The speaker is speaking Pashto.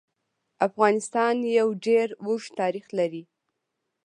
افغانستان يو ډير اوږد تاريخ لري.